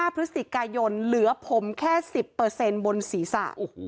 พฤศจิกายนเหลือผมแค่๑๐บนศีรษะ